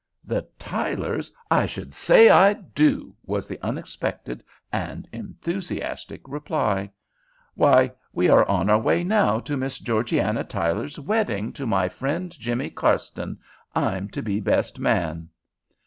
"The Tylers! I should say I do!" was the unexpected and enthusiastic reply. "Why, we are on our way now to Miss Georgiana Tyler's wedding to my friend Jimmy Carston. I'm to be best man."